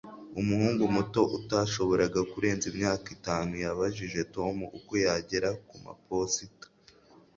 Umuhungu muto utashoboraga kurenza imyaka itanu yabajije Tom uko yagera kumaposita